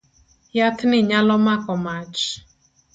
Yath ni nyalo mako mach.